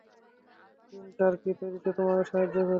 Gym, turkey তৈরিতে তোমাকে সাহায্য করি।